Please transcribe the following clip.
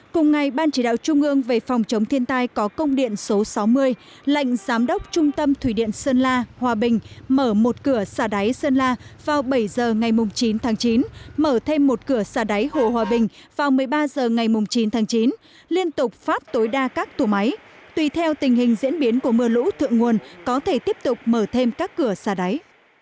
cùng ngày ban chỉ đạo trung ương về phòng chống thiên tai có công điện số sáu mươi lệnh giám đốc trung tâm thủy điện sơn la hòa bình mở một cửa xà đáy sơn la vào bảy giờ ngày chín tháng chín mở thêm một cửa xà đáy hồ hòa bình vào một mươi ba giờ ngày chín tháng chín liên tục phát tối đa các tủ máy tùy theo tình hình diễn biến của mưa lũ thượng nguồn có thể tiếp tục mở thêm các cửa xà đáy